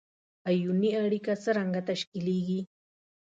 آیوني اړیکه څرنګه تشکیلیږي؟